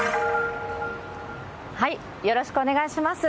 よろしくお願いします。